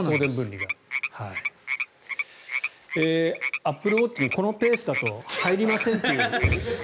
アップルウォッチにこのペースだと入りませんって。